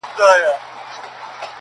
ټوله ژوند مي سترګي ډکي له خیالونو.!